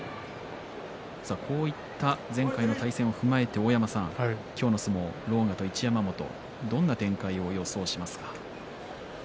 こういった前回の対戦を踏まえて大山さん、今日の相撲狼雅と一山本との展開どう予想しますか。